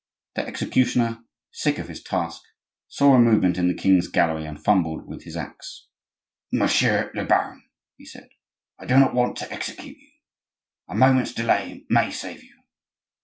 The executioner, sick of his task, saw a movement in the king's gallery, and fumbled with his axe. "Monsieur le baron," he said, "I do not want to execute you; a moment's delay may save you."